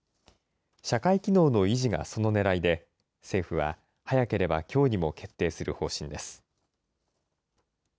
社会機能の維持がそのねらいで、政府は早ければきょうにも決定する方針です。